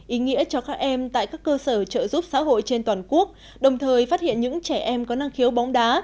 ý nghĩa cho các em tại các cơ sở trợ giúp xã hội trên toàn quốc đồng thời phát hiện những trẻ em có năng khiếu bóng đá